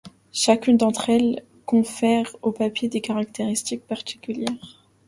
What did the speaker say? Chacune d'entre elles confère au papier des caractéristiques particulières.